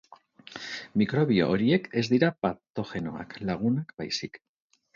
Mikrobio horiek ez dira patogenoak, lagunak baizik.